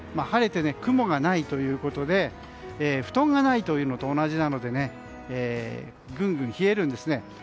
晴れて雲がないということで布団がないというのと同じなのでぐんぐん冷えるんですね。